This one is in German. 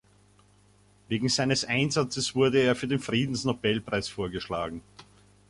Wegen seines Einsatzes wurde er für den Friedensnobelpreis vorgeschlagen.